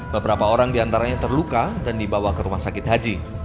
beberapa orang diantaranya terluka dan dibawa ke rumah sakit haji